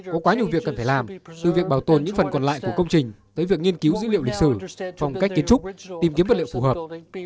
có quá nhiều việc cần phải làm từ việc bảo tồn những phần còn lại của công trình tới việc nghiên cứu dữ liệu lịch sử phong cách kiến trúc tìm kiếm vật liệu phù hợp